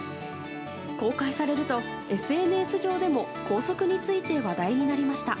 公開されると、ＳＮＳ上でも校則について話題になりました。